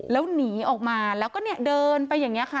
แล้วหนีออกมาแล้วก็เนี่ยเดินไปอย่างนี้ค่ะ